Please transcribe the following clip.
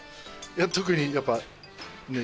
・いや特にやっぱ。